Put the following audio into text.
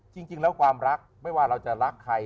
จริงแล้วความรักไม่ว่าเราจะรักใคร